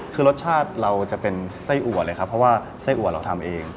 คือรสชาติเราจะเป็นไส้อัวเลยครับเพราะว่าไส้อัวเราทำเอง